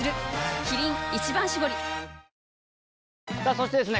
そしてですね